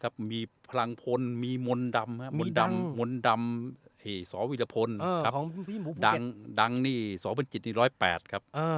๑๐๕ครับมีพลังพลมีมนตร์ดำสวิรพลสวิตชิต๑๐๘ครับ